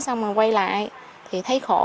xong rồi quay lại thì thấy khổ